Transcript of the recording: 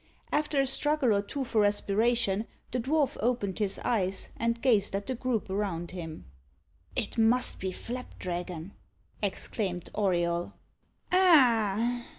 After a struggle or two for respiration, the dwarf opened his eyes, and gazed at the group around him. "It must be Flapdragon!" exclaimed Auriol. "Ah!